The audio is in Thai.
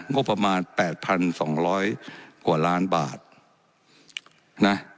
งบประมาณแปดพันสองร้อยกว่าล้านบาทนะ